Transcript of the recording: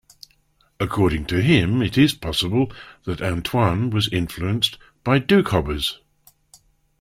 According to him, it is possible that Antoine was influenced by Doukhobors.